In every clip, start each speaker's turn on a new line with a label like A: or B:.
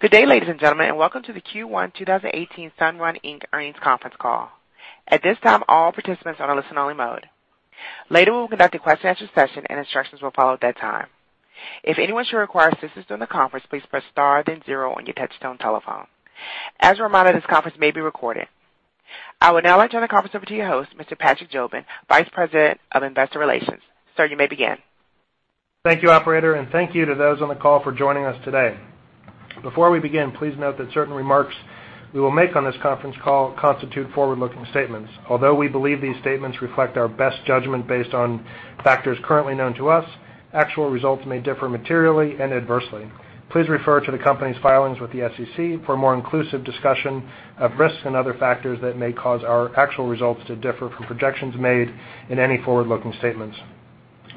A: Good day, ladies and gentlemen, and welcome to the Q1 2018 Sunrun Inc. Earnings Conference Call. At this time, all participants are on a listen only mode. Later, we'll conduct a question and answer session, and instructions will follow at that time. If anyone should require assistance during the conference, please press star then zero on your touch-tone telephone. As a reminder, this conference may be recorded. I will now like to turn the conference over to your host, Mr. Patrick Jobin, Vice President of Investor Relations. Sir, you may begin.
B: Thank you, operator, and thank you to those on the call for joining us today. Before we begin, please note that certain remarks we will make on this conference call constitute forward-looking statements. Although we believe these statements reflect our best judgment based on factors currently known to us, actual results may differ materially and adversely. Please refer to the company's filings with the SEC for a more inclusive discussion of risks and other factors that may cause our actual results to differ from projections made in any forward-looking statements.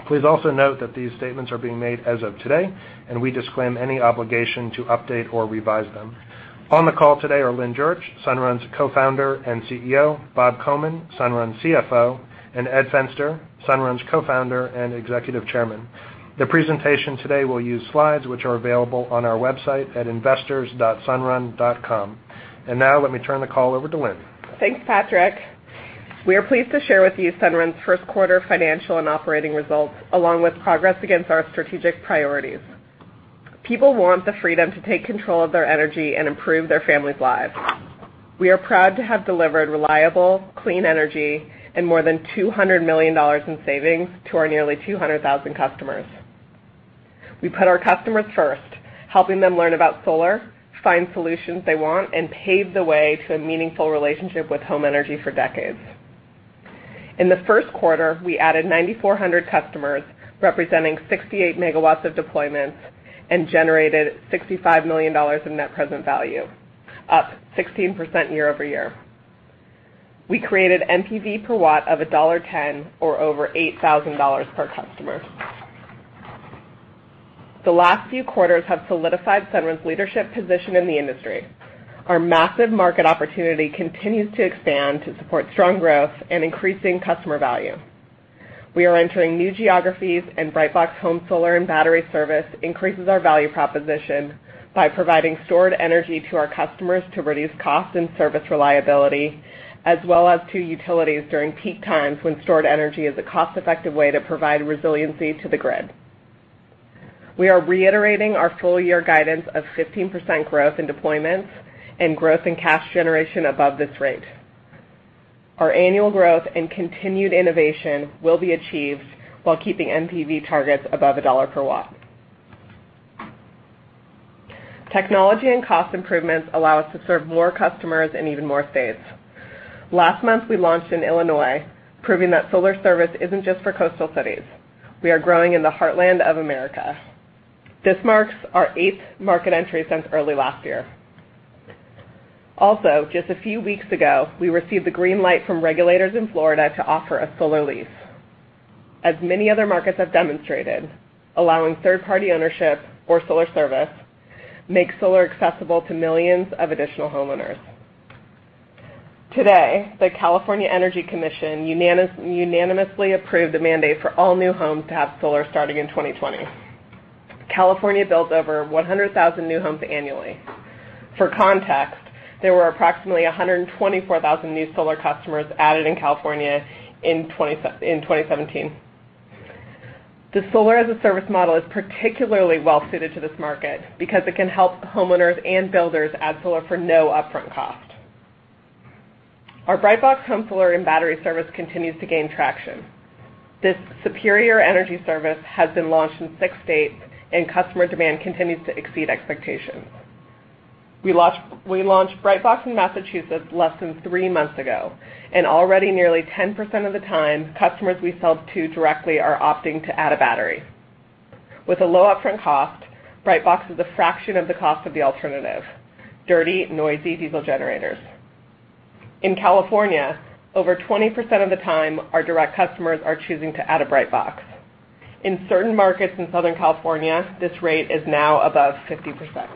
B: Please also note that these statements are being made as of today, and we disclaim any obligation to update or revise them. On the call today are Lynn Jurich, Sunrun's Co-founder and CEO, Bob Komin, Sunrun's CFO, and Edward Fenster, Sunrun's Co-founder and Executive Chairman. The presentation today will use slides which are available on our website at investors.sunrun.com. Now let me turn the call over to Lynn.
C: Thanks, Patrick. We are pleased to share with you Sunrun's first quarter financial and operating results, along with progress against our strategic priorities. People want the freedom to take control of their energy and improve their families' lives. We are proud to have delivered reliable, clean energy and more than $200 million in savings to our nearly 200,000 customers. We put our customers first, helping them learn about solar, find solutions they want, and pave the way to a meaningful relationship with home energy for decades. In the first quarter, we added 9,400 customers, representing 68 megawatts of deployments and generated $65 million in Net Present Value, up 16% year-over-year. We created NPV per watt of $1.10 or over $8,000 per customer. The last few quarters have solidified Sunrun's leadership position in the industry. Our massive market opportunity continues to expand to support strong growth and increasing customer value. We are entering new geographies and Brightbox Home Solar and Battery service increases our value proposition by providing stored energy to our customers to reduce cost and service reliability, as well as to utilities during peak times when stored energy is a cost-effective way to provide resiliency to the grid. We are reiterating our full year guidance of 15% growth in deployments and growth in cash generation above this rate. Our annual growth and continued innovation will be achieved while keeping NPV targets above $1 per watt. Technology and cost improvements allow us to serve more customers in even more states. Last month, we launched in Illinois, proving that solar service isn't just for coastal cities. We are growing in the heartland of America. This marks our eighth market entry since early last year. Just a few weeks ago, we received the green light from regulators in Florida to offer a solar lease. As many other markets have demonstrated, allowing third-party ownership or solar service makes solar accessible to millions of additional homeowners. Today, the California Energy Commission unanimously approved the mandate for all new homes to have solar starting in 2020. California builds over 100,000 new homes annually. For context, there were approximately 124,000 new solar customers added in California in 2017. The solar as a service model is particularly well suited to this market because it can help homeowners and builders add solar for no upfront cost. Our Brightbox Home Solar and Battery service continues to gain traction. This superior energy service has been launched in six states, and customer demand continues to exceed expectations. We launched Brightbox in Massachusetts less than three months ago, and already nearly 10% of the time, customers we sell to directly are opting to add a battery. With a low upfront cost, Brightbox is a fraction of the cost of the alternative: dirty, noisy diesel generators. In California, over 20% of the time, our direct customers are choosing to add a Brightbox. In certain markets in Southern California, this rate is now above 50%.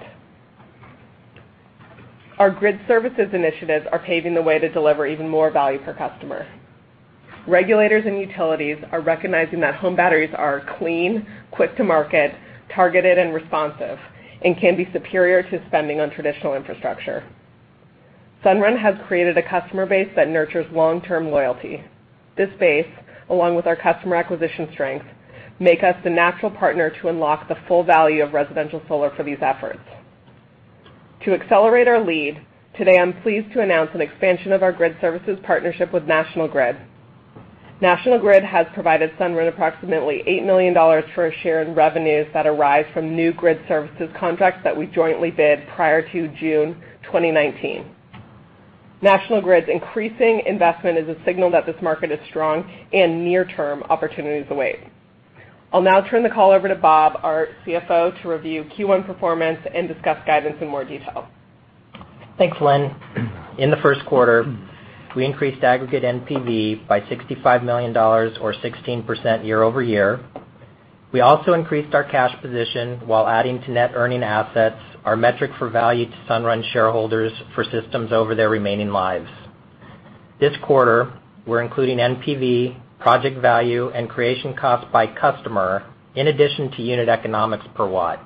C: Our grid services initiatives are paving the way to deliver even more value per customer. Regulators and utilities are recognizing that home batteries are clean, quick to market, targeted, and responsive, and can be superior to spending on traditional infrastructure. Sunrun has created a customer base that nurtures long-term loyalty. This base, along with our customer acquisition strength, make us the natural partner to unlock the full value of residential solar for these efforts. To accelerate our lead, today I'm pleased to announce an expansion of our grid services partnership with National Grid. National Grid has provided Sunrun approximately $8 million for a share in revenues that arise from new grid services contracts that we jointly bid prior to June 2019. National Grid's increasing investment is a signal that this market is strong and near-term opportunities await. I'll now turn the call over to Bob, our CFO, to review Q1 performance and discuss guidance in more detail.
D: Thanks, Lynn. In the first quarter, we increased aggregate NPV by $65 million or 16% year-over-year. We also increased our cash position while adding to net earning assets, our metric for value to Sunrun shareholders for systems over their remaining lives. This quarter, we are including NPV, project value, and creation cost by customer, in addition to unit economics per watt.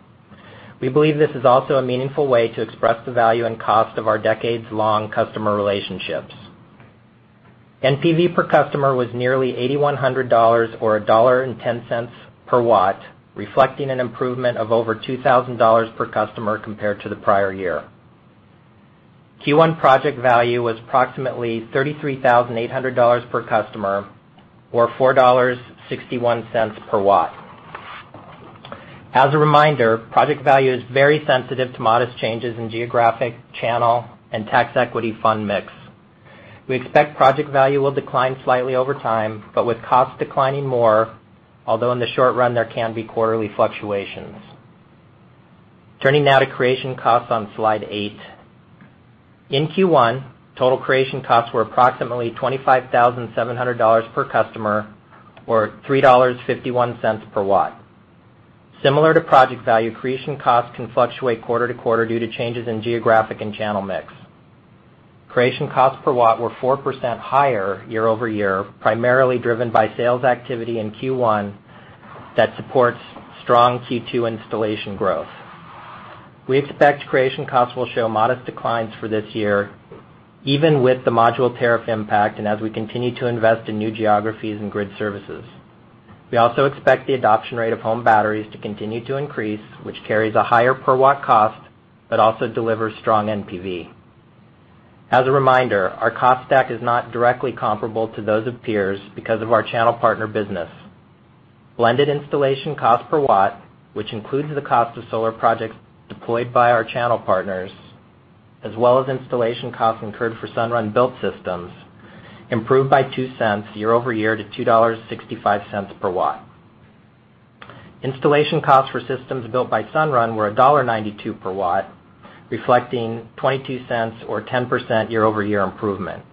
D: We believe this is also a meaningful way to express the value and cost of our decades-long customer relationships. NPV per customer was nearly $8,100, or $1.10 per watt, reflecting an improvement of over $2,000 per customer compared to the prior year. Q1 project value was approximately $33,800 per customer, or $4.61 per watt. As a reminder, project value is very sensitive to modest changes in geographic, channel, and tax equity fund mix. We expect project value will decline slightly over time, but with cost declining more, although in the short run there can be quarterly fluctuations. Turning now to creation costs on slide eight. In Q1, total creation costs were approximately $25,700 per customer, or $3.51 per watt. Similar to project value, creation costs can fluctuate quarter-to-quarter due to changes in geographic and channel mix. Creation costs per watt were 4% higher year-over-year, primarily driven by sales activity in Q1 that supports strong Q2 installation growth. We expect creation costs will show modest declines for this year, even with the module tariff impact, as we continue to invest in new geographies and grid services. We also expect the adoption rate of home batteries to continue to increase, which carries a higher per-watt cost, but also delivers strong NPV. As a reminder, our cost stack is not directly comparable to those of peers because of our channel partner business. Blended installation cost per watt, which includes the cost of solar projects deployed by our channel partners, as well as installation costs incurred for Sunrun built systems, improved by $0.02 year-over-year to $2.65 per watt. Installation costs for systems built by Sunrun were $1.92 per watt, reflecting $0.22 or 10% year-over-year improvement.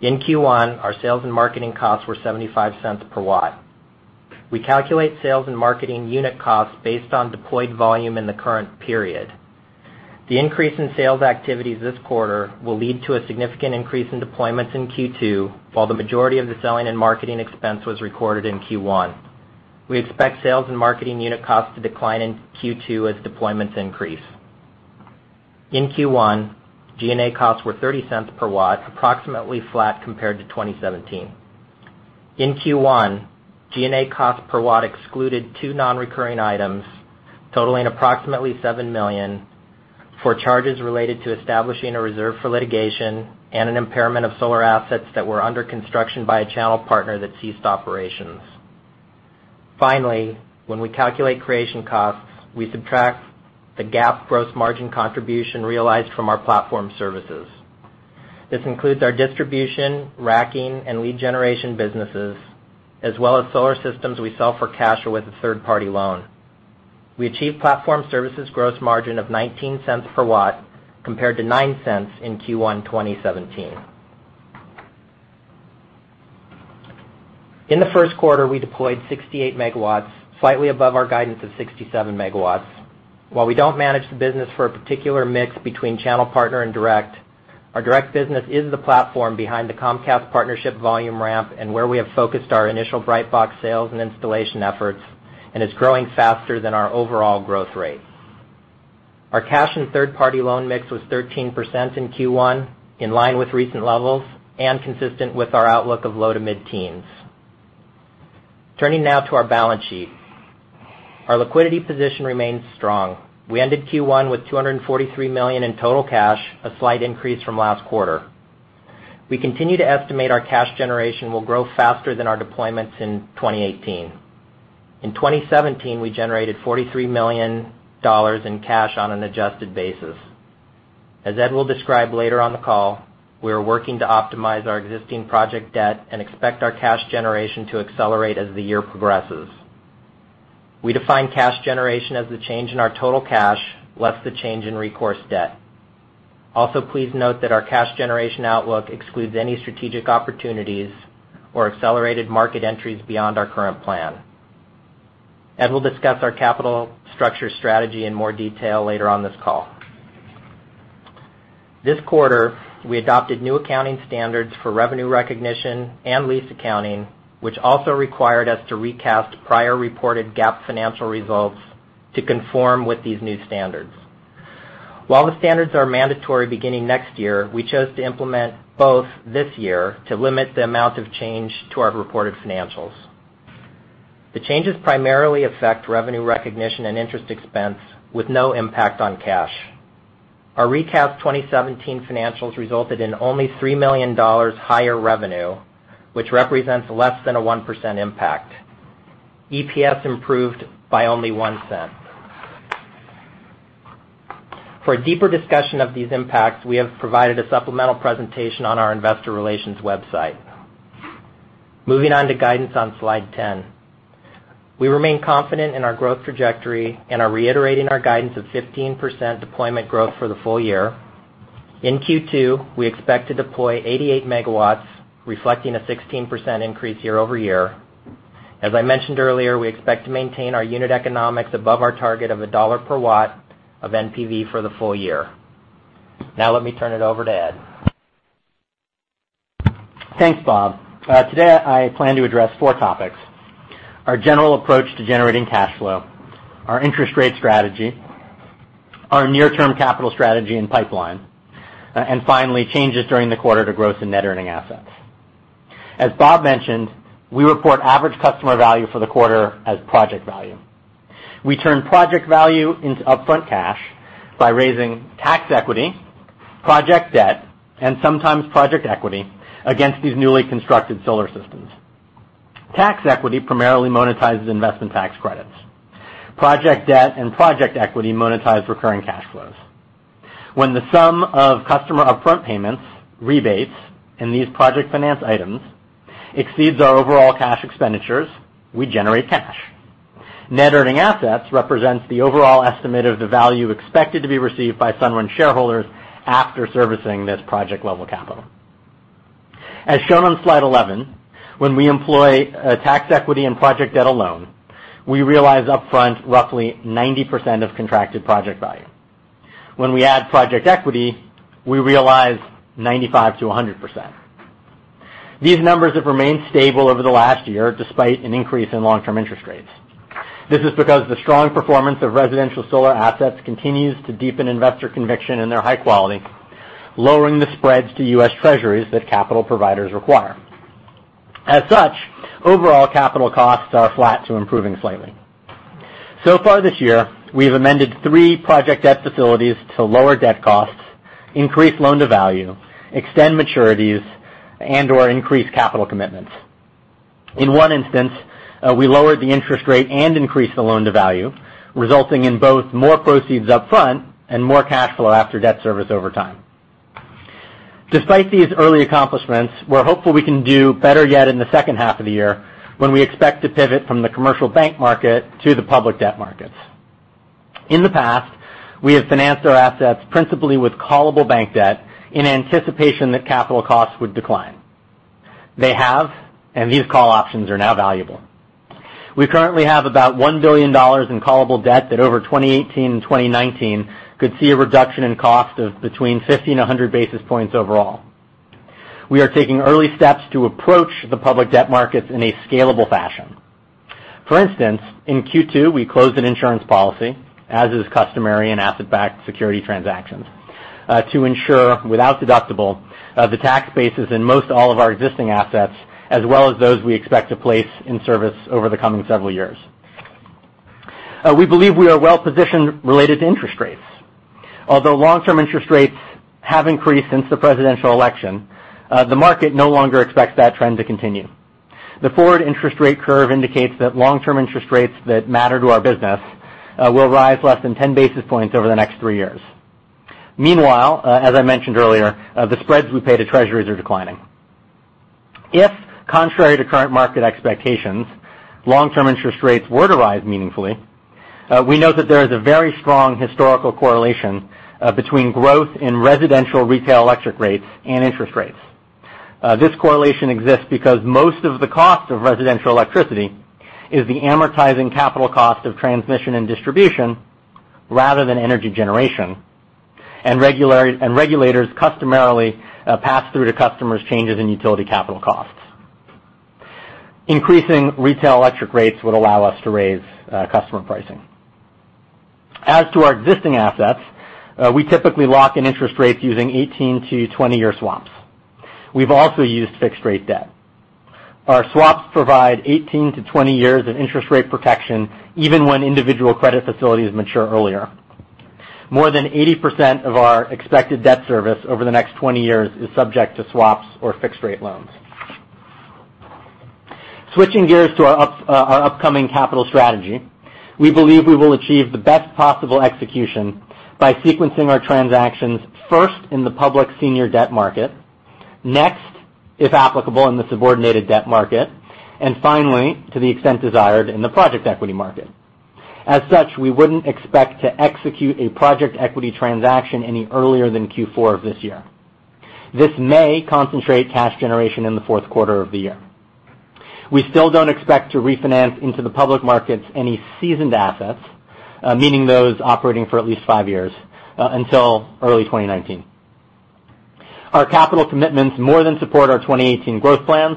D: In Q1, our sales and marketing costs were $0.75 per watt. We calculate sales and marketing unit costs based on deployed volume in the current period. The increase in sales activities this quarter will lead to a significant increase in deployments in Q2, while the majority of the selling and marketing expense was recorded in Q1. We expect sales and marketing unit costs to decline in Q2 as deployments increase. In Q1, G&A costs were $0.30 per watt, approximately flat compared to 2017. In Q1, G&A cost per watt excluded two non-recurring items totaling approximately $7 million for charges related to establishing a reserve for litigation and an impairment of solar assets that were under construction by a channel partner that ceased operations. Finally, when we calculate creation costs, we subtract the GAAP gross margin contribution realized from our platform services. This includes our distribution, racking, and lead generation businesses, as well as solar systems we sell for cash or with a third-party loan. We achieved platform services gross margin of $0.19 per watt, compared to $0.09 in Q1 2017. In the first quarter, we deployed 68 megawatts, slightly above our guidance of 67 megawatts. While we don't manage the business for a particular mix between channel partner and direct, our direct business is the platform behind the Comcast partnership volume ramp and where we have focused our initial Brightbox sales and installation efforts, and is growing faster than our overall growth rate. Our cash and third-party loan mix was 13% in Q1, in line with recent levels and consistent with our outlook of low to mid-teens. Turning now to our balance sheet. Our liquidity position remains strong. We ended Q1 with $243 million in total cash, a slight increase from last quarter. We continue to estimate our cash generation will grow faster than our deployments in 2018. In 2017, we generated $43 million in cash on an adjusted basis. As Ed will describe later on the call, we are working to optimize our existing project debt and expect our cash generation to accelerate as the year progresses. Also, please note that our cash generation outlook excludes any strategic opportunities or accelerated market entries beyond our current plan. Ed will discuss our capital structure strategy in more detail later on this call. This quarter, we adopted new accounting standards for revenue recognition and lease accounting, which also required us to recast prior reported GAAP financial results to conform with these new standards. While the standards are mandatory beginning next year, we chose to implement both this year to limit the amount of change to our reported financials. The changes primarily affect revenue recognition and interest expense with no impact on cash. Our recast 2017 financials resulted in only $3 million higher revenue, which represents less than a 1% impact. EPS improved by only $0.01. For a deeper discussion of these impacts, we have provided a supplemental presentation on our investor relations website. Moving on to guidance on slide 10. We remain confident in our growth trajectory and are reiterating our guidance of 15% deployment growth for the full year. In Q2, we expect to deploy 88 megawatts, reflecting a 16% increase year-over-year. As I mentioned earlier, we expect to maintain our unit economics above our target of $1 per watt of NPV for the full year. Now let me turn it over to Ed.
E: Thanks, Bob. Today, I plan to address four topics: our general approach to generating cash flow, our interest rate strategy, our near-term capital strategy and pipeline, and finally, changes during the quarter to gross and net earning assets. As Bob mentioned, we report average customer value for the quarter as project value. We turn project value into upfront cash by raising tax equity, project debt, and sometimes project equity against these newly constructed solar systems. Tax equity primarily monetizes investment tax credits. Project debt and project equity monetize recurring cash flows. When the sum of customer upfront payments, rebates, and these project finance items exceeds our overall cash expenditures, we generate cash. Net earning assets represents the overall estimate of the value expected to be received by Sunrun shareholders after servicing this project-level capital. As shown on slide 11, when we employ tax equity and project debt alone, we realize upfront roughly 90% of contracted project value. When we add project equity, we realize 95%-100%. These numbers have remained stable over the last year, despite an increase in long-term interest rates. This is because the strong performance of residential solar assets continues to deepen investor conviction in their high quality, lowering the spreads to US Treasuries that capital providers require. Overall capital costs are flat to improving slightly. So far this year, we have amended three project debt facilities to lower debt costs, increase loan-to-value, extend maturities, and/or increase capital commitments. In one instance, we lowered the interest rate and increased the loan-to-value, resulting in both more proceeds upfront and more cash flow after debt service over time. Despite these early accomplishments, we're hopeful we can do better yet in the second half of the year, when we expect to pivot from the commercial bank market to the public debt markets. In the past, we have financed our assets principally with callable bank debt in anticipation that capital costs would decline. They have, and these call options are now valuable. We currently have about $1 billion in callable debt that over 2018 and 2019 could see a reduction in cost of between 50 and 100 basis points overall. We are taking early steps to approach the public debt markets in a scalable fashion. For instance, in Q2, we closed an insurance policy, as is customary in asset-backed security transactions, to insure, without deductible, the tax bases in most all of our existing assets, as well as those we expect to place in service over the coming several years. We believe we are well-positioned related to interest rates. Although long-term interest rates have increased since the presidential election, the market no longer expects that trend to continue. The forward interest rate curve indicates that long-term interest rates that matter to our business will rise less than 10 basis points over the next three years. Meanwhile, as I mentioned earlier, the spreads we pay to Treasuries are declining. If, contrary to current market expectations, long-term interest rates were to rise meaningfully, we note that there is a very strong historical correlation between growth in residential retail electric rates and interest rates. This correlation exists because most of the cost of residential electricity is the amortizing capital cost of transmission and distribution rather than energy generation, and regulators customarily pass through to customers changes in utility capital costs. Increasing retail electric rates would allow us to raise customer pricing. As to our existing assets, we typically lock in interest rates using 18- to 20-year swaps. We've also used fixed-rate debt. Our swaps provide 18 to 20 years of interest rate protection, even when individual credit facilities mature earlier. More than 80% of our expected debt service over the next 20 years is subject to swaps or fixed-rate loans. Switching gears to our upcoming capital strategy, we believe we will achieve the best possible execution by sequencing our transactions first in the public senior debt market, next, if applicable, in the subordinated debt market, and finally, to the extent desired, in the project equity market. We wouldn't expect to execute a project equity transaction any earlier than Q4 of this year. This may concentrate cash generation in the fourth quarter of the year. We still don't expect to refinance into the public markets any seasoned assets, meaning those operating for at least five years, until early 2019. Our capital commitments more than support our 2018 growth plans.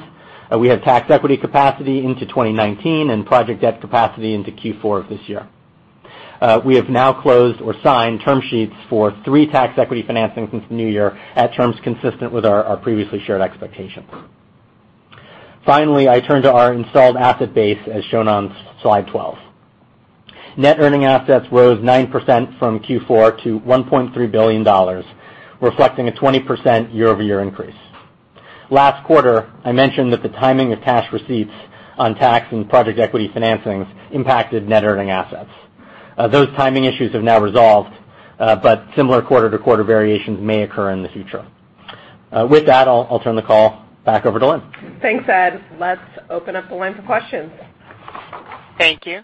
E: We have tax equity capacity into 2019 and project debt capacity into Q4 of this year. We have now closed or signed term sheets for three tax equity financings since the new year at terms consistent with our previously shared expectations. Finally, I turn to our installed asset base, as shown on slide 12. Net earning assets rose 9% from Q4 to $1.3 billion, reflecting a 20% year-over-year increase. Last quarter, I mentioned that the timing of cash receipts on tax and project equity financings impacted net earning assets. Those timing issues have now resolved, but similar quarter-to-quarter variations may occur in the future. With that, I'll turn the call back over to Lynn.
C: Thanks, Ed. Let's open up the line for questions.
A: Thank you.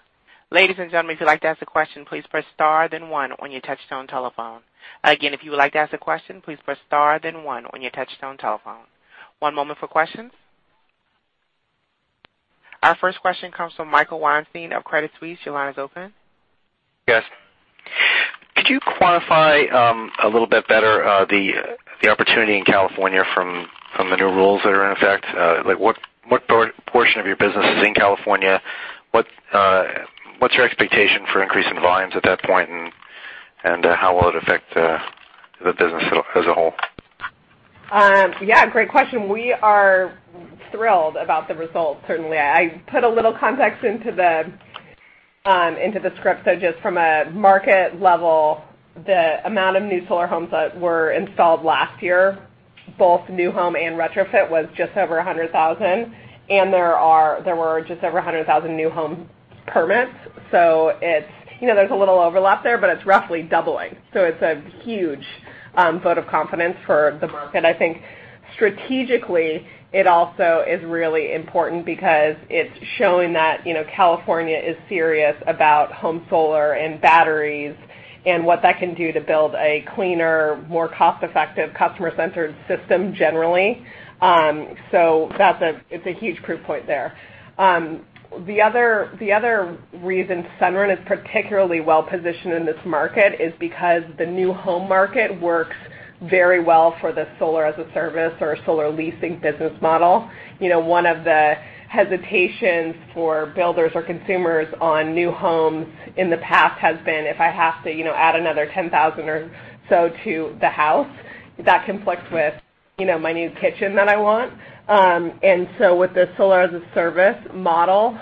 A: Ladies and gentlemen, if you'd like to ask a question, please press star then one on your touch-tone telephone. Again, if you would like to ask a question, please press star then one on your touch-tone telephone. One moment for questions. Our first question comes from Michael Weinstein of Credit Suisse. Your line is open.
F: Yes. Could you quantify, a little bit better, the opportunity in California from the new rules that are in effect? Like what portion of your business is in California? What's your expectation for increase in volumes at that point, and how will it affect the business as a whole?
C: Great question. We are thrilled about the results, certainly. I put a little context into the script. Just from a market level, the amount of new solar homes that were installed last year, both new home and retrofit, was just over 100,000, and there were just over 100,000 new home permits. There's a little overlap there, but it's roughly doubling. It's a huge vote of confidence for the market. I think strategically, it also is really important because it's showing that California is serious about home solar and batteries and what that can do to build a cleaner, more cost-effective, customer-centered system generally. It's a huge proof point there. The other reason Sunrun is particularly well-positioned in this market is because the new home market works very well for the solar-as-a-service or solar leasing business model. One of the hesitations for builders or consumers on new homes in the past has been if I have to add another $10,000 or so to the house, that conflicts with my new kitchen that I want. With the solar-as-a-service model,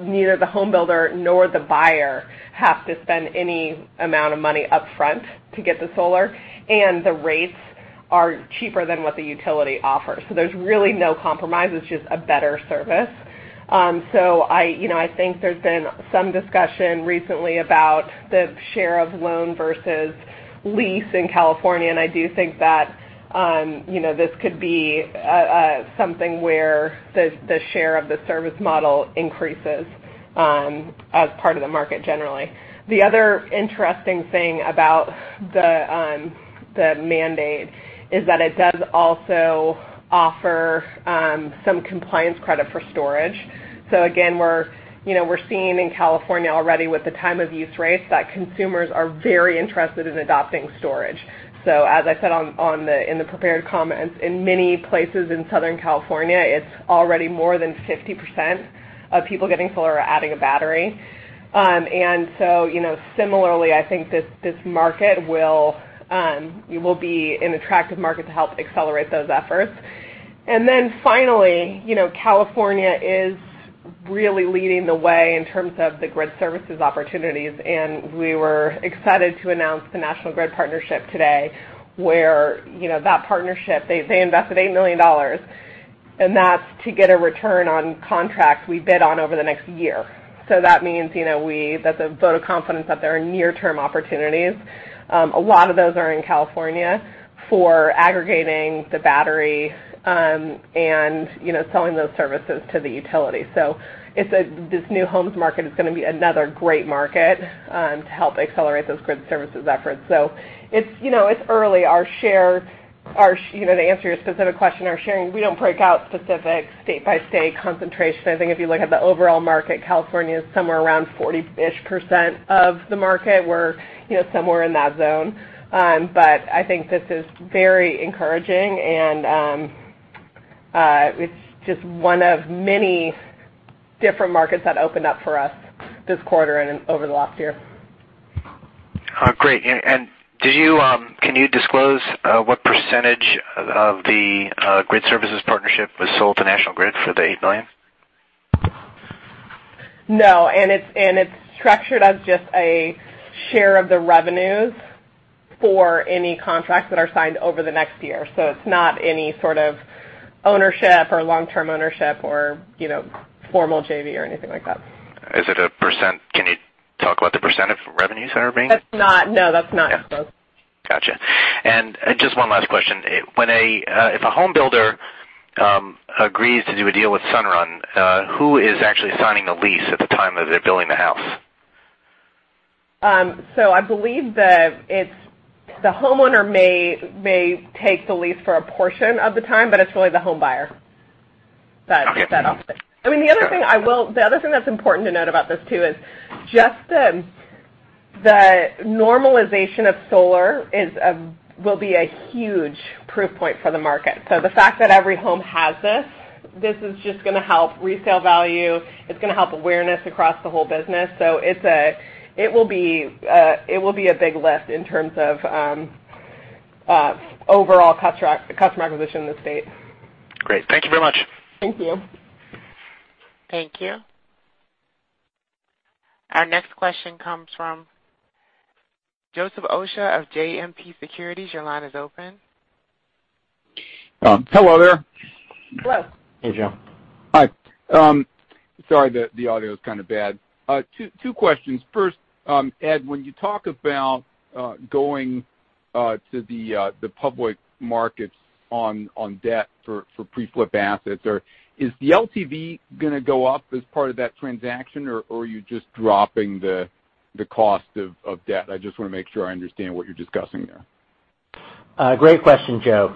C: neither the home builder nor the buyer have to spend any amount of money up front to get the solar, and the rates are cheaper than what the utility offers. There's really no compromise. It's just a better service. I think there's been some discussion recently about the share of loan versus lease in California, and I do think that this could be something where the share of the service model increases as part of the market generally. The other interesting thing about the mandate is that it does also offer some compliance credit for storage. Again, we're seeing in California already with the time-of-use rates that consumers are very interested in adopting storage. As I said in the prepared comments, in many places in Southern California, it's already more than 50% of people getting solar are adding a battery. Similarly, I think this market will be an attractive market to help accelerate those efforts. Finally, California is really leading the way in terms of the grid services opportunities, and we were excited to announce the National Grid partnership today where that partnership, they invested $8 million, and that's to get a return on contracts we bid on over the next year. That means that's a vote of confidence that there are near-term opportunities, a lot of those are in California, for aggregating the battery and selling those services to the utility. This new homes market is going to be another great market to help accelerate those grid services efforts. It's early. To answer your specific question, our sharing, we don't break out specific state-by-state concentration. I think if you look at the overall market, California is somewhere around 40-ish% of the market. We're somewhere in that zone. I think this is very encouraging, and it's just one of many different markets that opened up for us this quarter and over the last year.
F: Great. Can you disclose what % of the grid services partnership was sold to National Grid for the $8 million?
C: No, it's structured as just a share of the revenues for any contracts that are signed over the next year. It's not any sort of ownership or long-term ownership or formal JV or anything like that.
F: Is it a %? Can you talk about the % of revenues that are?
C: That's not, no, that's not disclosed.
F: Got you. Just one last question. If a home builder agrees to do a deal with Sunrun, who is actually signing the lease at the time that they're building the house?
C: I believe the homeowner may take the lease for a portion of the time, but it's really the home buyer that-
F: Okay. Got it.
C: does that. The other thing that's important to note about this too is just the normalization of solar will be a huge proof point for the market. The fact that every home has this is just going to help resale value. It's going to help awareness across the whole business. It will be a big lift in terms of overall customer acquisition in the state.
F: Great. Thank you very much.
C: Thank you.
A: Thank you. Our next question comes from Joseph Osha of JMP Securities. Your line is open.
G: Hello there.
C: Hello.
E: Hey, Joe.
G: Hi. Sorry, the audio is kind of bad. Two questions. First, Ed, when you talk about going to the public markets on debt for pre-flip assets. Is the LTV going to go up as part of that transaction, or are you just dropping the cost of debt? I just want to make sure I understand what you're discussing there.
E: Great question, Joe.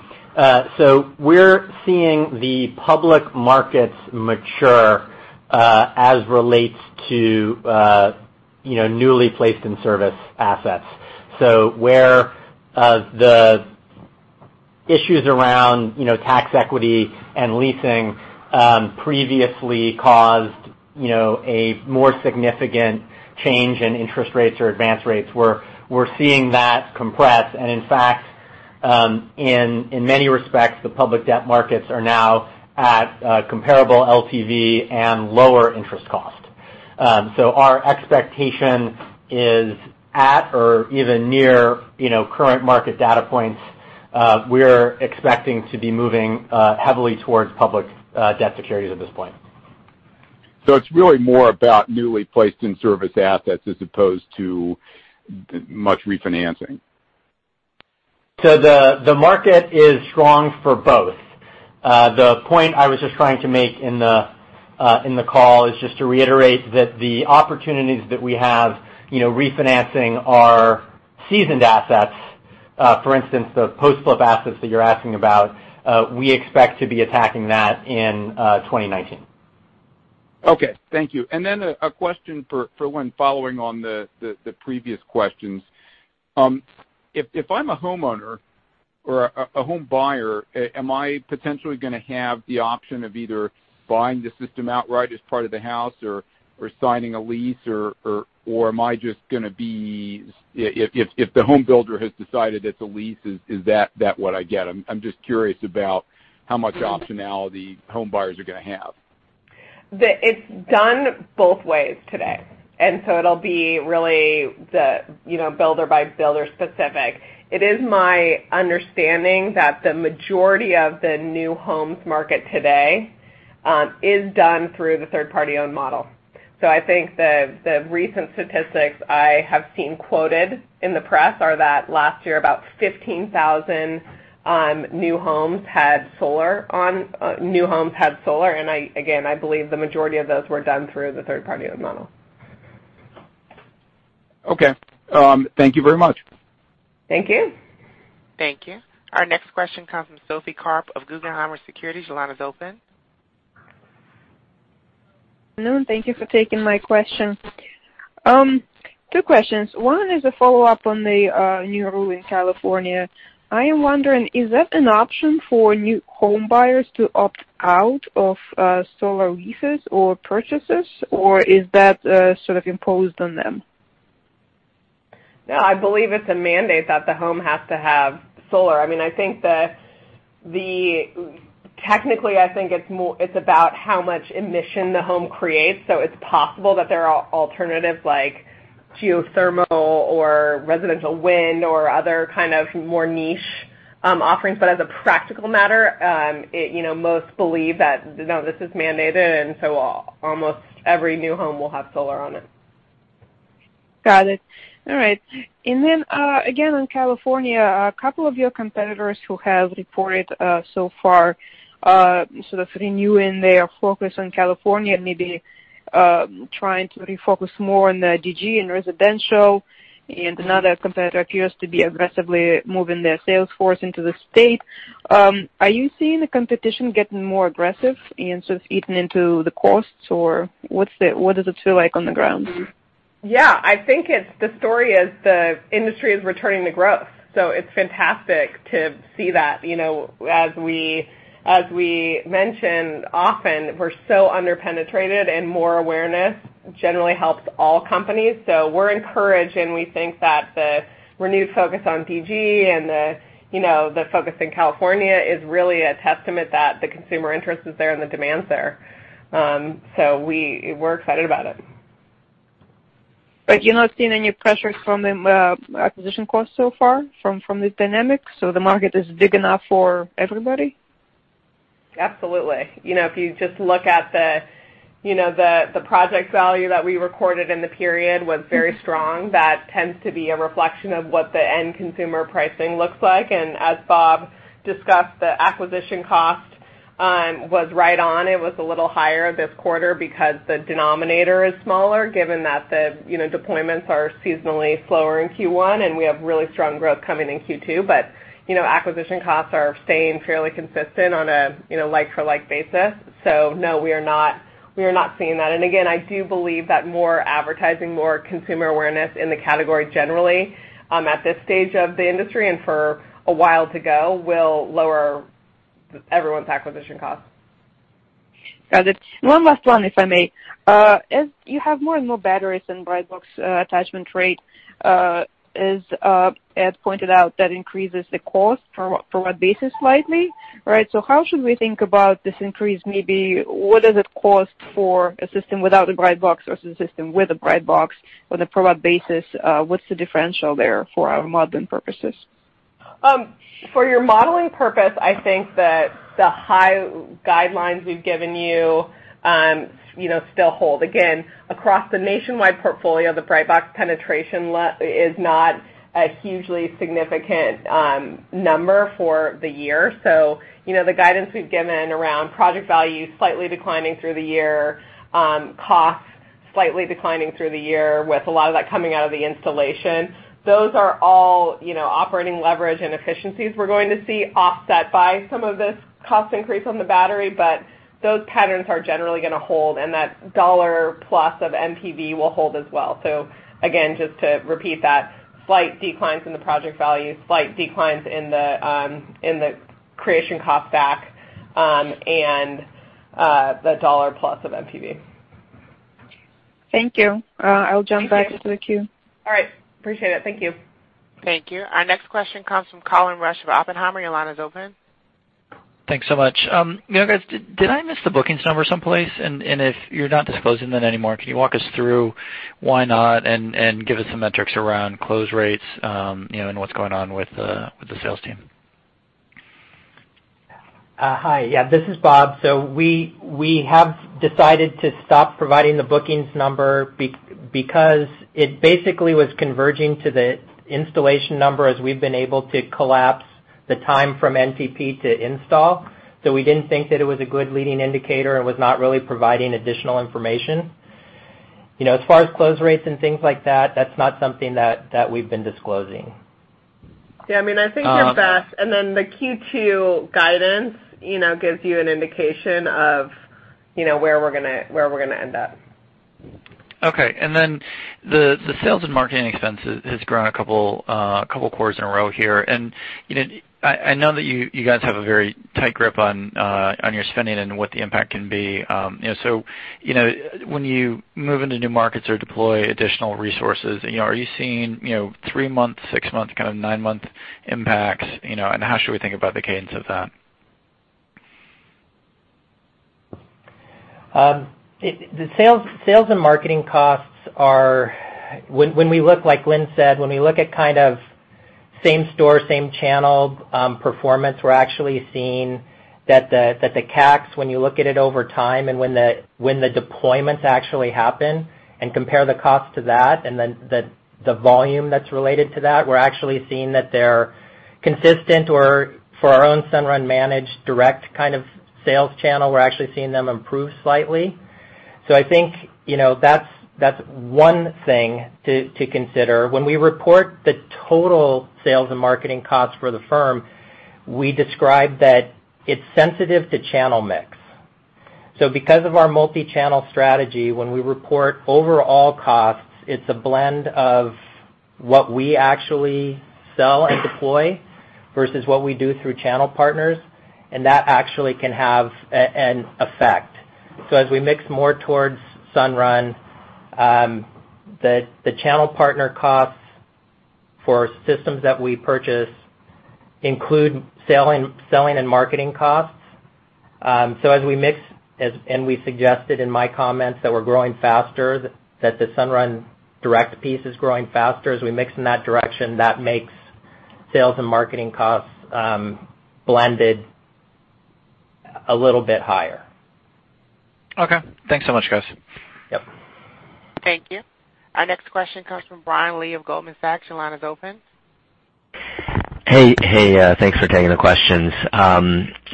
E: We're seeing the public markets mature as relates to newly placed in service assets. Where the issues around tax equity and leasing previously caused a more significant change in interest rates or advance rates, we're seeing that compress. In fact, in many respects, the public debt markets are now at comparable LTV and lower interest cost. Our expectation is at or even near current market data points, we're expecting to be moving heavily towards public debt securities at this point.
G: It's really more about newly placed in service assets as opposed to much refinancing.
E: The market is strong for both. The point I was just trying to make in the call is just to reiterate that the opportunities that we have refinancing our seasoned assets, for instance, the post-flip assets that you're asking about, we expect to be attacking that in 2019.
G: Okay. Thank you. A question for Lynn, following on the previous questions. If I'm a homeowner or a home buyer, am I potentially going to have the option of either buying the system outright as part of the house or signing a lease, or if the home builder has decided it's a lease, is that what I get? I'm just curious about how much optionality home buyers are going to have.
C: It's done both ways today, it'll be really builder by builder specific. It is my understanding that the majority of the new homes market today is done through the third party owned model. I think the recent statistics I have seen quoted in the press are that last year, about 15,000 new homes had solar. Again, I believe the majority of those were done through the third party owned model.
G: Okay. Thank you very much.
C: Thank you.
A: Thank you. Our next question comes from Sophie Karp of Guggenheim Securities. Your line is open.
H: Noon. Thank you for taking my question. Two questions. One is a follow-up on the new rule in California. I am wondering, is that an option for new home buyers to opt out of solar leases or purchases, or is that sort of imposed on them?
C: No, I believe it's a mandate that the home has to have solar. Technically, I think it's about how much emission the home creates. It's possible that there are alternatives like geothermal or residential wind or other kind of more niche offerings. As a practical matter, most believe that, no, this is mandated, and so almost every new home will have solar on it.
H: Got it. All right. Again, on California, a couple of your competitors who have reported so far sort of renewing their focus on California, maybe trying to refocus more on the DG and residential, another competitor appears to be aggressively moving their sales force into the state. Are you seeing the competition getting more aggressive and sort of eating into the costs, or what does it feel like on the ground?
C: Yeah, I think the story is the industry is returning to growth. It's fantastic to see that. As we mention often, we're so under-penetrated, and more awareness generally helps all companies. We're encouraged, and we think that the renewed focus on DG and the focus in California is really a testament that the consumer interest is there and the demand's there. We're excited about it.
H: You're not seeing any pressures from the acquisition costs so far from these dynamics? The market is big enough for everybody?
C: Absolutely. If you just look at the project value that we recorded in the period was very strong. That tends to be a reflection of what the end consumer pricing looks like. As Bob discussed, the acquisition cost was right on. It was a little higher this quarter because the denominator is smaller, given that the deployments are seasonally slower in Q1, and we have really strong growth coming in Q2. Acquisition costs are staying fairly consistent on a like-for-like basis. No, we are not seeing that. Again, I do believe that more advertising, more consumer awareness in the category generally at this stage of the industry and for a while to go, will lower everyone's acquisition costs.
H: Got it. One last one, if I may. As you have more and more batteries and Brightbox attachment rate, as Ed pointed out, that increases the cost for what basis slightly, right? How should we think about this increase? Maybe what does it cost for a system without a Brightbox or a system with a Brightbox on a per watt basis? What's the differential there for our modeling purposes?
C: For your modeling purpose, I think that the high guidelines we've given you still hold. Again, across the nationwide portfolio, the Brightbox penetration is not a hugely significant number for the year. The guidance we've given around project value slightly declining through the year, costs slightly declining through the year, with a lot of that coming out of the installation. Those are all operating leverage and efficiencies we're going to see offset by some of this cost increase on the battery. Those patterns are generally going to hold, and that dollar-plus of NPV will hold as well. Again, just to repeat that, slight declines in the project value, slight declines in the creation cost stack, and the dollar-plus of NPV.
H: Thank you.
C: Thank you.
H: I will jump back to the queue.
C: All right. Appreciate it. Thank you.
A: Thank you. Our next question comes from Colin Rusch of Oppenheimer. Your line is open.
I: Thanks so much. You guys, did I miss the bookings number someplace? If you're not disclosing that anymore, can you walk us through why not, and give us some metrics around close rates, and what's going on with the sales team?
D: Hi. Yeah, this is Bob Komin. We have decided to stop providing the bookings number because it basically was converging to the installation number as we've been able to collapse the time from NTP to install. We didn't think that it was a good leading indicator. It was not really providing additional information. As far as close rates and things like that's not something that we've been disclosing.
C: Yeah, I think you're fast. The Q2 guidance gives you an indication of where we're going to end up.
I: Okay. The sales and marketing expense has grown a couple quarters in a row here. I know that you guys have a very tight grip on your spending and what the impact can be. When you move into new markets or deploy additional resources, are you seeing three-month, six-month, nine-month impacts, and how should we think about the cadence of that?
D: Like Lynn Jurich said, when we look at same-store, same-channel performance, we're actually seeing that the CACs, when you look at it over time and when the deployments actually happen and compare the cost to that and then the volume that's related to that, we're actually seeing that they're consistent or for our own Sunrun managed direct kind of sales channel, we're actually seeing them improve slightly. I think, that's one thing to consider. When we report the total sales and marketing costs for the firm, we describe that it's sensitive to channel mix. Because of our multi-channel strategy, when we report overall costs, it's a blend of what we actually sell and deploy versus what we do through channel partners, and that actually can have an effect. As we mix more towards Sunrun, the channel partner costs for systems that we purchase include selling and marketing costs. As we mix, and we suggested in my comments that we're growing faster, that the Sunrun direct piece is growing faster, as we mix in that direction, that makes sales and marketing costs blended a little bit higher.
I: Okay. Thanks so much, guys.
D: Yep.
A: Thank you. Our next question comes from Brian Lee of Goldman Sachs. Your line is open.
J: Hey, thanks for taking the questions. A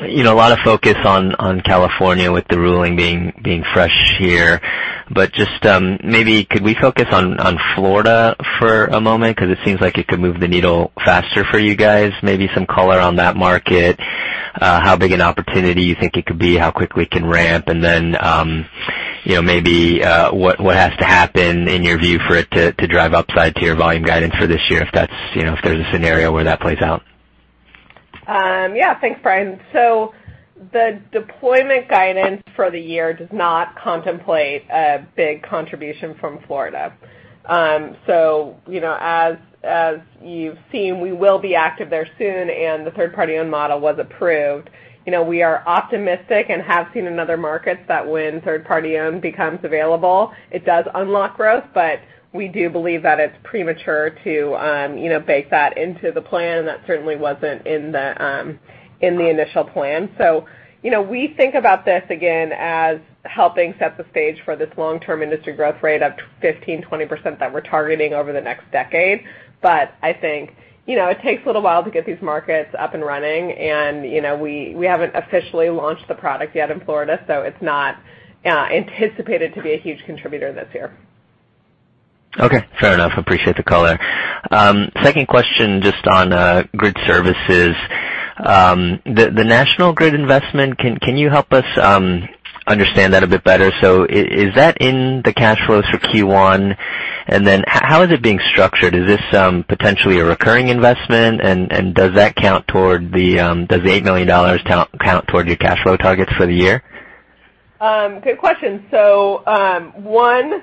J: lot of focus on California with the ruling being fresh here. Just maybe could we focus on Florida for a moment? It seems like it could move the needle faster for you guys. Maybe some color on that market, how big an opportunity you think it could be, how quickly it can ramp, and then maybe what has to happen in your view for it to drive upside to your volume guidance for this year, if there's a scenario where that plays out.
C: Thanks, Brian. The deployment guidance for the year does not contemplate a big contribution from Florida. As you've seen, we will be active there soon, and the third-party owned model was approved. We are optimistic and have seen in other markets that when third party owned becomes available, it does unlock growth, but we do believe that it's premature to bake that into the plan. That certainly wasn't in the initial plan. We think about this again as helping set the stage for this long-term industry growth rate of 15%-20% that we're targeting over the next decade. I think it takes a little while to get these markets up and running. We haven't officially launched the product yet in Florida, so it's not anticipated to be a huge contributor this year.
J: Fair enough. Appreciate the call there. Second question, just on grid services. The National Grid investment, can you help us understand that a bit better? Is that in the cash flows for Q1? How is it being structured? Is this potentially a recurring investment? Does the $8 million count toward your cash flow targets for the year?
C: Good question. One,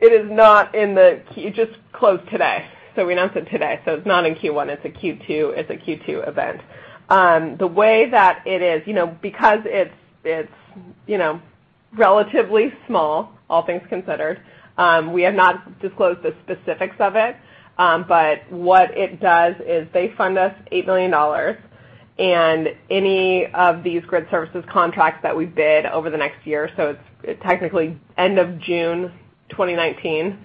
C: it is not in the It just closed today. We announced it today, so it's not in Q1. It's a Q2 event. The way that it is, because it's relatively small, all things considered. We have not disclosed the specifics of it. What it does is they fund us $8 million, and any of these grid services contracts that we bid over the next year, it's technically end of June 2019,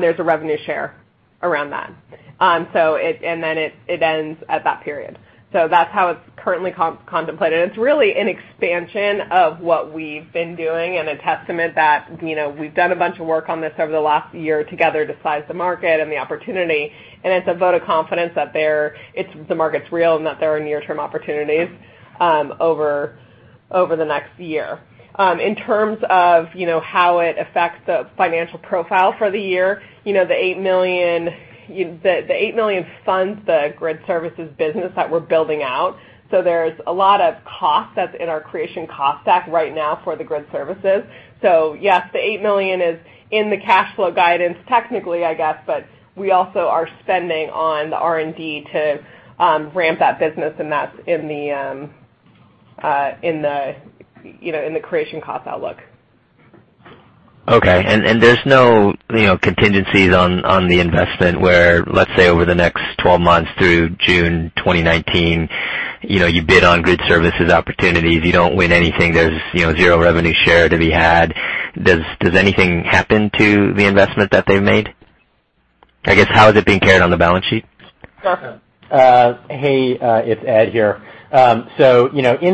C: there's a revenue share around that. It ends at that period. That's how it's currently contemplated. It's really an expansion of what we've been doing and a testament that we've done a bunch of work on this over the last year together to size the market and the opportunity, and it's a vote of confidence that the market's real and that there are near-term opportunities over the next year. In terms of how it affects the financial profile for the year, the $8 million funds the grid services business that we're building out. There's a lot of cost that's in our creation cost stack right now for the grid services. Yes, the $8 million is in the cash flow guidance, technically, I guess, but we also are spending on the R&D to ramp that business, and that's in the creation cost outlook.
J: There's no contingencies on the investment where, let's say, over the next 12 months through June 2019, you bid on grid services opportunities. You don't win anything. There's zero revenue share to be had. Does anything happen to the investment that they've made? I guess, how is it being carried on the balance sheet?
C: Justin.
E: Hey, it's Ed here. In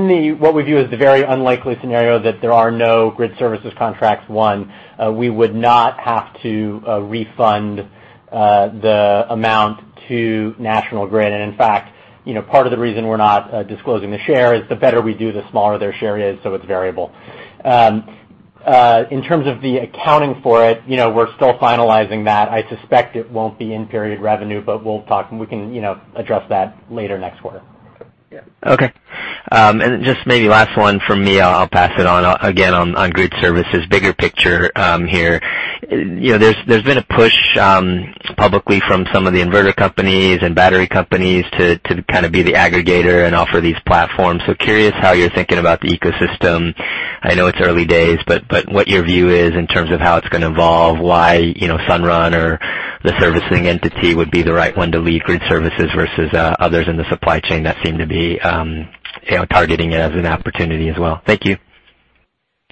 E: the, what we view as the very unlikely scenario that there are no grid services contracts won, we would not have to refund the amount to National Grid. In fact, part of the reason we're not disclosing the share is the better we do, the smaller their share is, it's variable. In terms of the accounting for it, we're still finalizing that. I suspect it won't be in period revenue, we can address that later next quarter.
J: Okay. Just maybe last one from me. I'll pass it on. Again, on grid services, bigger picture here. There's been a push publicly from some of the inverter companies and battery companies to kind of be the aggregator and offer these platforms. Curious how you're thinking about the ecosystem. I know it's early days, what your view is in terms of how it's going to evolve, why Sunrun or the servicing entity would be the right one to lead grid services versus others in the supply chain that seem to be targeting it as an opportunity as well. Thank you.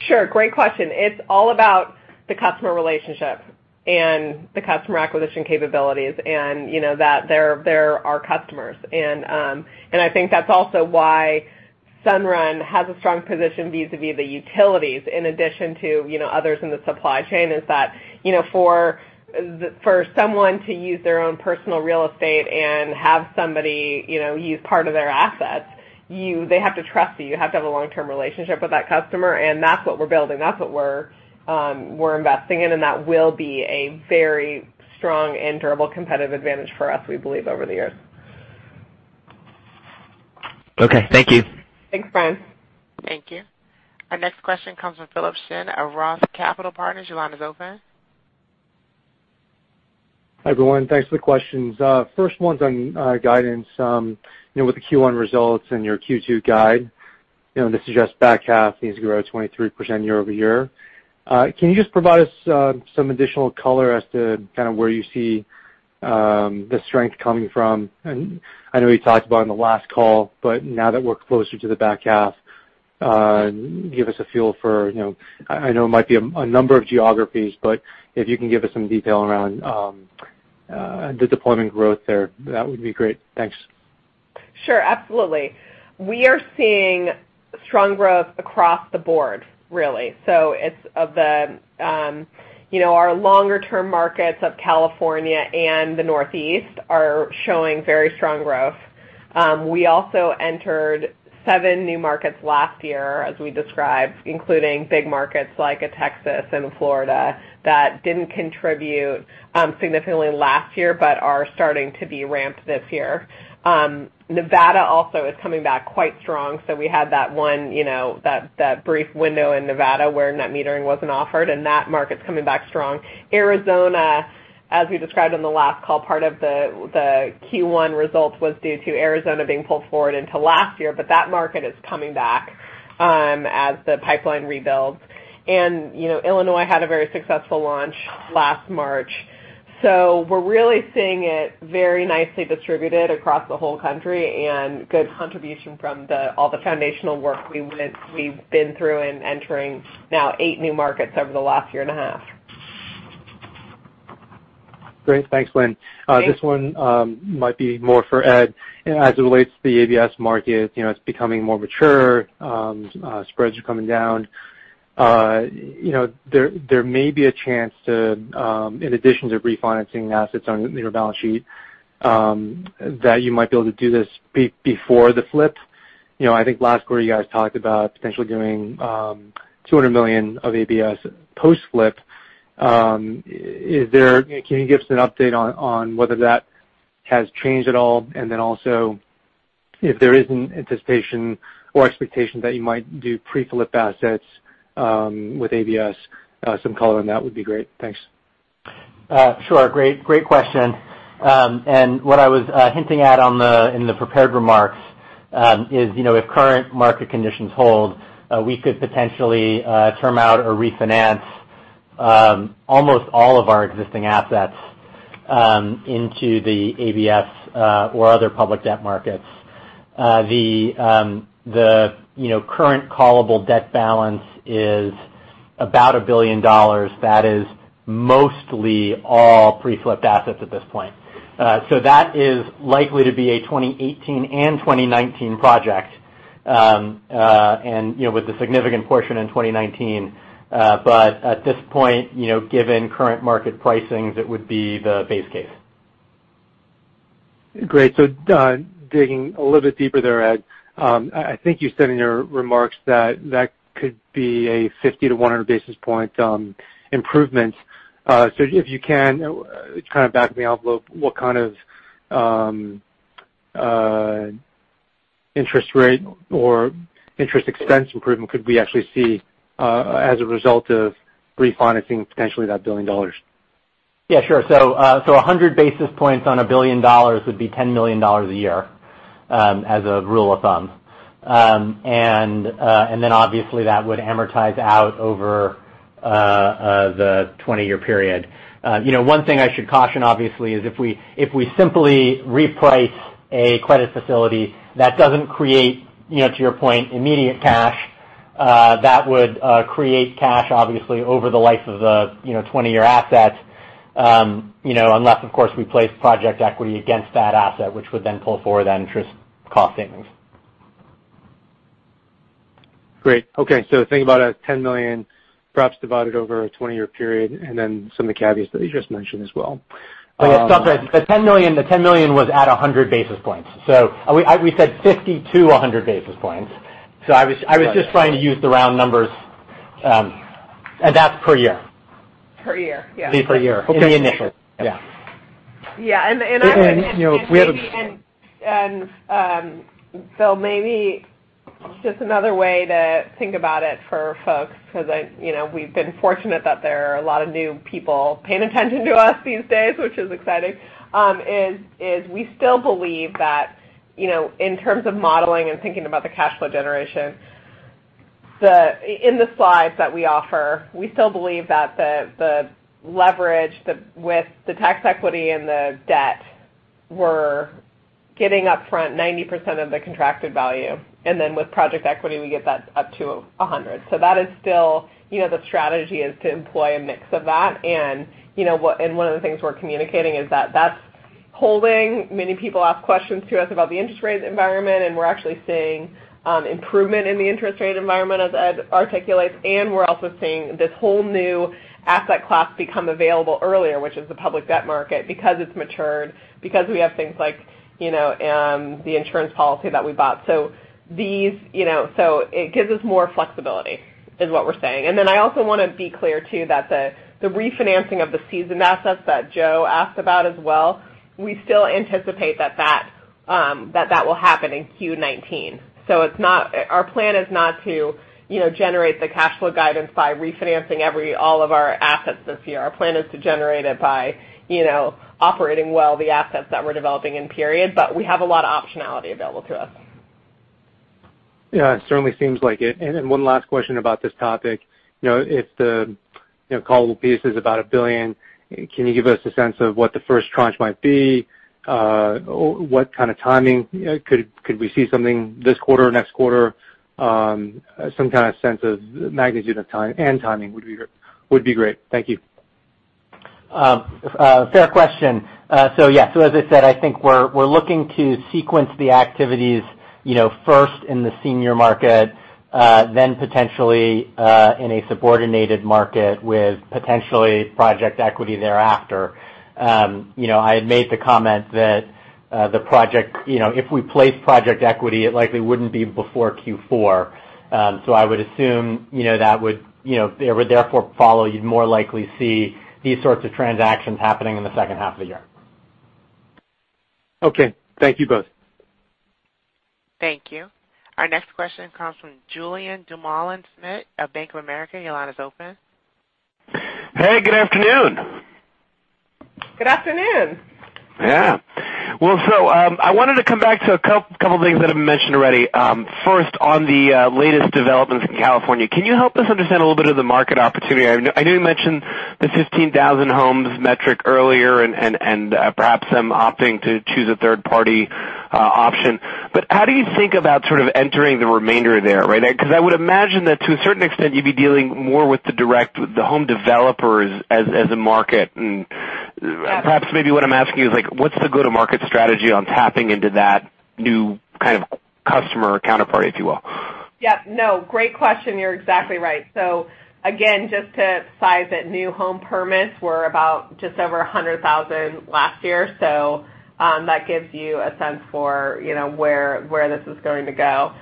C: Sure. Great question. It's all about the customer relationship and the customer acquisition capabilities, that they're our customers. I think that's also why Sunrun has a strong position vis-a-vis the utilities, in addition to others in the supply chain, is that for someone to use their own personal real estate and have somebody use part of their assets, they have to trust you. You have to have a long-term relationship with that customer, that's what we're building. That's what we're investing in, that will be a very strong and durable competitive advantage for us, we believe, over the years.
J: Okay. Thank you.
C: Thanks, Brian.
A: Thank you. Our next question comes from Philip Shen of ROTH Capital Partners. Your line is open.
K: Hi, everyone. Thanks for the questions. First one's on guidance. With the Q1 results and your Q2 guide, this is just back half needs to grow 23% year-over-year. Can you just provide us some additional color as to kind of where you see the strength coming from? I know you talked about it on the last call, but now that we're closer to the back half, give us a feel for I know it might be a number of geographies, but if you can give us some detail around the deployment growth there, that would be great. Thanks.
C: Sure, absolutely. We are seeing strong growth across the board, really. Our longer-term markets of California and the Northeast are showing very strong growth. We also entered seven new markets last year, as we described, including big markets like Texas and Florida that didn't contribute significantly last year but are starting to be ramped this year. Nevada also is coming back quite strong. We had that one brief window in Nevada where net metering wasn't offered, and that market's coming back strong. Arizona, as we described on the last call, part of the Q1 results was due to Arizona being pulled forward into last year, but that market is coming back as the pipeline rebuilds. Illinois had a very successful launch last March. We're really seeing it very nicely distributed across the whole country and good contribution from all the foundational work we've been through and entering now eight new markets over the last year and a half.
K: Great. Thanks, Lynn.
C: Thanks.
K: This one might be more for Ed. As it relates to the ABS market, it's becoming more mature, spreads are coming down. There may be a chance to, in addition to refinancing assets on your balance sheet, that you might be able to do this before the flip. I think last quarter you guys talked about potentially doing $200 million of ABS post-flip. Can you give us an update on whether that has changed at all? Also if there is an anticipation or expectation that you might do pre-flip assets with ABS, some color on that would be great. Thanks.
E: Sure. Great question. What I was hinting at in the prepared remarks is if current market conditions hold, we could potentially term out or refinance almost all of our existing assets into the ABS or other public debt markets. The current callable debt balance is about $1 billion. That is mostly all pre-flipped assets at this point. That is likely to be a 2018 and 2019 project, and with a significant portion in 2019. At this point, given current market pricing, that would be the base case.
K: Great. Digging a little bit deeper there, Ed. I think you said in your remarks that that could be a 50 to 100 basis point improvement. If you can, kind of back me out, what kind of interest rate or interest expense improvement could we actually see as a result of refinancing potentially that $1 billion?
E: Yeah, sure. 100 basis points on $1 billion would be $10 million a year as a rule of thumb. Then obviously that would amortize out over the 20-year period. One thing I should caution obviously is if we simply reprice a credit facility, that doesn't create, to your point, immediate cash. That would create cash obviously over the life of the 20-year asset. Unless, of course, we place project equity against that asset, which would then pull forward that interest cost savings.
K: Great. Okay. Think about $10 million perhaps divided over a 20-year period, then some of the caveats that you just mentioned as well.
E: Yeah. Stop there. The $10 million was at 100 basis points. We said 50 to 100 basis points. I was just trying to use the round numbers. That's per year.
C: Per year, yeah.
E: Per year. In the initial, yeah.
C: Yeah.
K: We have-
C: Maybe just another way to think about it for folks, because we've been fortunate that there are a lot of new people paying attention to us these days, which is exciting, is we still believe that in terms of modeling and thinking about the cash flow generation, in the slides that we offer, we still believe that the leverage with the tax equity and the debt, we're getting upfront 90% of the contracted value. Then with project equity, we get that up to 100. That is still the strategy is to employ a mix of that. One of the things we're communicating is that that's holding. Many people ask questions to us about the interest rate environment, and we're actually seeing improvement in the interest rate environment, as Ed articulates. We're also seeing this whole new asset class become available earlier, which is the public debt market, because it's matured, because we have things like the insurance policy that we bought. It gives us more flexibility, is what we're saying. I also want to be clear, too, that the refinancing of the seasoned assets that Joe asked about as well, we still anticipate that that will happen in Q19. Our plan is not to generate the cash flow guidance by refinancing all of our assets this year. Our plan is to generate it by operating well the assets that we're developing in period, but we have a lot of optionality available to us.
K: Yeah, it certainly seems like it. One last question about this topic. If the callable piece is about $1 billion, can you give us a sense of what the first tranche might be? What kind of timing? Could we see something this quarter or next quarter? Some kind of sense of magnitude and timing would be great. Thank you.
E: Fair question. Yeah. As I said, I think we're looking to sequence the activities first in the senior market, then potentially in a subordinated market with potentially project equity thereafter. I had made the comment that if we place project equity, it likely wouldn't be before Q4. I would assume that would therefore follow. You'd more likely see these sorts of transactions happening in the second half of the year.
K: Okay. Thank you both.
A: Thank you. Our next question comes from Julien Dumoulin-Smith of Bank of America. Your line is open.
L: Hey, good afternoon.
C: Good afternoon.
L: I wanted to come back to a couple things that have been mentioned already. First, on the latest developments in California, can you help us understand a little bit of the market opportunity? I know you mentioned the 15,000 homes metric earlier and perhaps them opting to choose a third-party option. How do you think about sort of entering the remainder there, right? Because I would imagine that to a certain extent, you'd be dealing more with the direct, the home developers as a market.
C: Yes
L: Perhaps maybe what I'm asking you is like, what's the go-to-market strategy on tapping into that new kind of customer or counterparty, if you will?
C: Great question. You're exactly right. Again, just to size it, new home permits were about just over 100,000 last year. That gives you a sense for where this is going to go.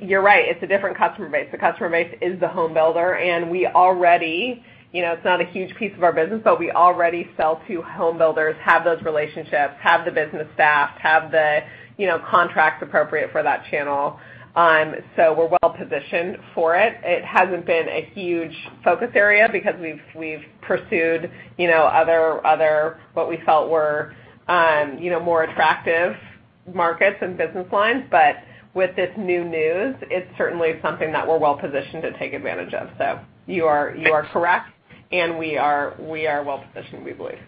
C: You're right, it's a different customer base. The customer base is the home builder, and we already, it's not a huge piece of our business, but we already sell to home builders, have those relationships, have the business staffed, have the contracts appropriate for that channel. We're well-positioned for it. It hasn't been a huge focus area because we've pursued other, what we felt were more attractive markets and business lines, with this new news, it's certainly something that we're well-positioned to take advantage of. You are correct, and we are well-positioned, we believe.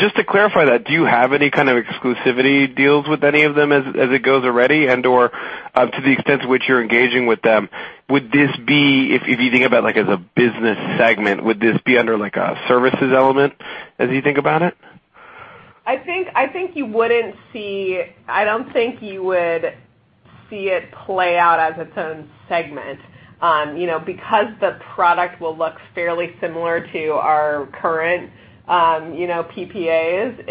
L: Just to clarify that, do you have any kind of exclusivity deals with any of them as it goes already? And/or, to the extent to which you're engaging with them, if you think about it as a business segment, would this be under a services element as you think about it?
C: I don't think you would see it play out as its own segment. The product will look fairly similar to our current PPAs,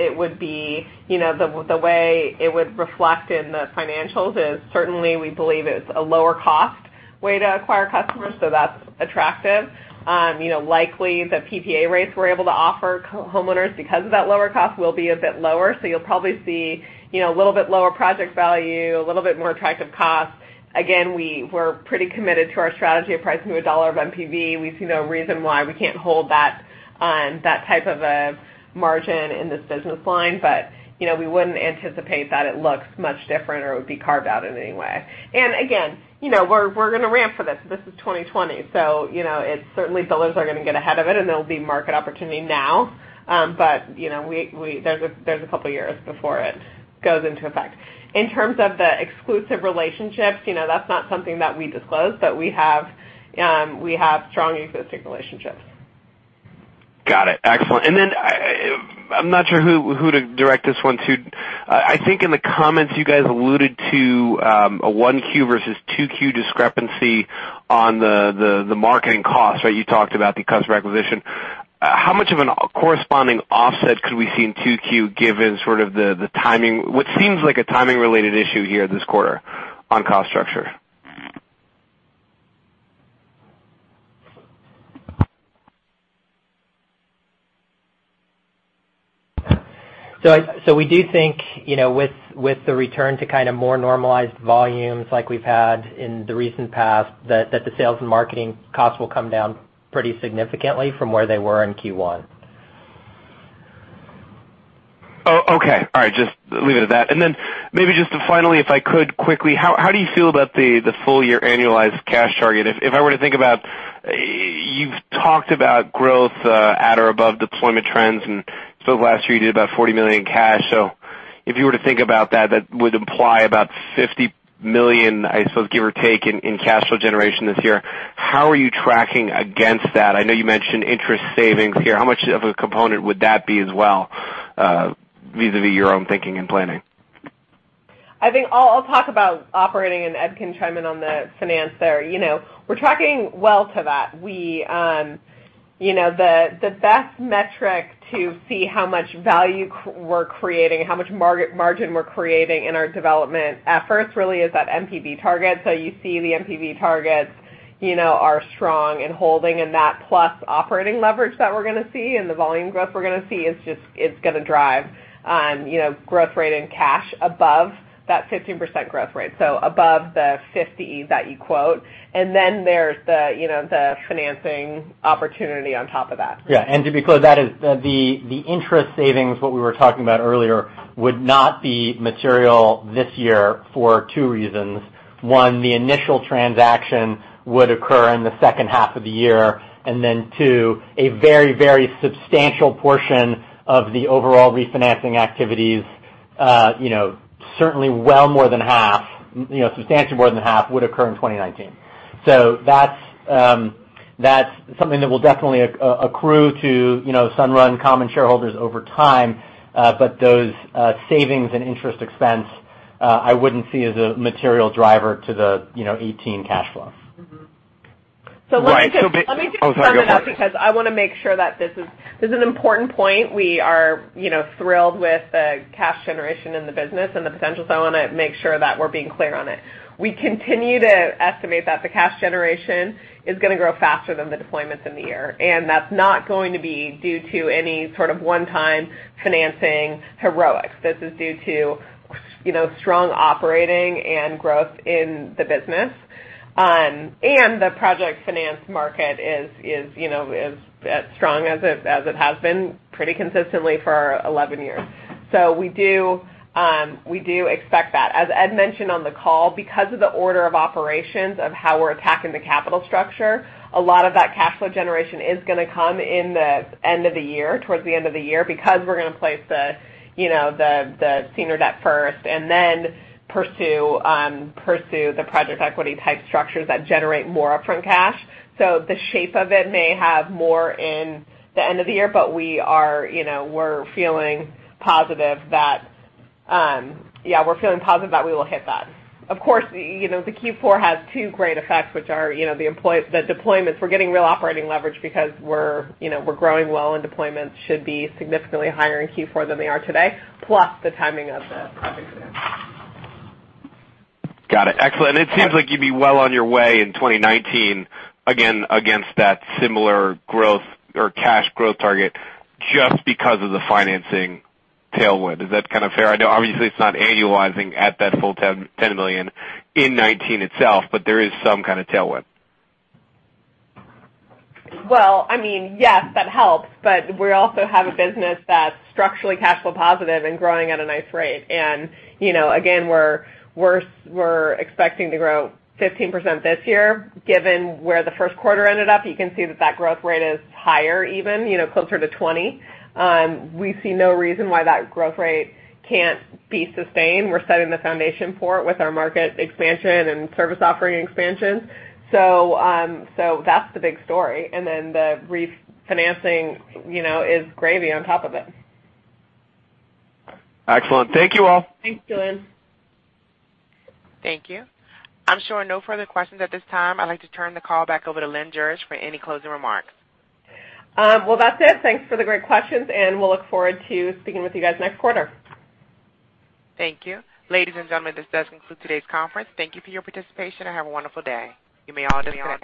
C: the way it would reflect in the financials is certainly, we believe it's a lower cost way to acquire customers, that's attractive. Likely, the PPA rates we're able to offer homeowners because of that lower cost will be a bit lower. You'll probably see a little bit lower project value, a little bit more attractive cost. Again, we're pretty committed to our strategy of pricing to $1 of NPV. We see no reason why we can't hold that type of a margin in this business line, but we wouldn't anticipate that it looks much different or it would be carved out in any way. Again, we're going to ramp for this. This is 2020. Certainly builders are going to get ahead of it, and there'll be market opportunity now. There's a couple of years before it goes into effect. In terms of the exclusive relationships, that's not something that we disclose, but we have strong existing relationships.
L: Got it. Excellent. I'm not sure who to direct this one to. I think in the comments you guys alluded to a 1Q versus 2Q discrepancy on the marketing costs. You talked about the cost of acquisition. How much of a corresponding offset could we see in 2Q given what seems like a timing-related issue here this quarter on cost structure?
D: We do think, with the return to more normalized volumes like we've had in the recent past, that the sales and marketing costs will come down pretty significantly from where they were in Q1.
L: Okay. All right. Just leave it at that. Maybe just finally, if I could quickly, how do you feel about the full-year annualized cash target? If I were to think about, you've talked about growth at or above deployment trends, last year you did about $40 million in cash. If you were to think about that would imply about $50 million, I suppose, give or take, in cash flow generation this year. How are you tracking against that? I know you mentioned interest savings here. How much of a component would that be as well, vis-a-vis your own thinking and planning?
C: I think I'll talk about operating and Ed can chime in on the finance there. We're tracking well to that. The best metric to see how much value we're creating, how much margin we're creating in our development efforts really is that NPV target. You see the NPV targets are strong and holding, and that plus operating leverage that we're going to see and the volume growth we're going to see is just going to drive growth rate in cash above that 15% growth rate. Above the $50 that you quote. There's the financing opportunity on top of that.
E: Yeah. To be clear, the interest savings, what we were talking about earlier, would not be material this year for two reasons. One, the initial transaction would occur in the second half of the year. Two, a very substantial portion of the overall refinancing activities, certainly substantially more than half, would occur in 2019. That's something that will definitely accrue to Sunrun common shareholders over time. Those savings and interest expense, I wouldn't see as a material driver to the 2018 cash flow.
C: Mm-hmm. Let me just.
L: Right. Oh, sorry. Go for it.
C: Clean that up because I want to make sure that this is an important point. We are thrilled with the cash generation in the business and the potential, so I want to make sure that we're being clear on it. We continue to estimate that the cash generation is going to grow faster than the deployments in the year, and that's not going to be due to any sort of one-time financing heroics. This is due to strong operating and growth in the business. The project finance market is as strong as it has been pretty consistently for 11 years. We do expect that. As Ed mentioned on the call, because of the order of operations of how we're attacking the capital structure, a lot of that cash flow generation is going to come towards the end of the year because we're going to place the senior debt first and then pursue the project equity type structures that generate more upfront cash. The shape of it may have more in the end of the year, but we're feeling positive that we will hit that. Of course, the Q4 has two great effects, which are the deployments. We're getting real operating leverage because we're growing well and deployments should be significantly higher in Q4 than they are today, plus the timing of the project finance.
L: Got it. Excellent. It seems like you'd be well on your way in 2019, again, against that similar growth or cash growth target just because of the financing tailwind. Is that kind of fair? I know obviously it's not annualizing at that full $10 million in 2019 itself, but there is some kind of tailwind.
C: Well, yes, that helps, we also have a business that's structurally cash flow positive and growing at a nice rate. Again, we're expecting to grow 15% this year. Given where the first quarter ended up, you can see that that growth rate is higher even, closer to 20. We see no reason why that growth rate can't be sustained. We're setting the foundation for it with our market expansion and service offering expansion. That's the big story. Then the refinancing is gravy on top of it.
L: Excellent. Thank you all.
C: Thanks, Julien.
A: Thank you. I'm showing no further questions at this time. I'd like to turn the call back over to Lynn Jurich for any closing remarks.
C: Well, that's it. Thanks for the great questions, and we'll look forward to speaking with you guys next quarter.
A: Thank you. Ladies and gentlemen, this does conclude today's conference. Thank you for your participation and have a wonderful day. You may all disconnect.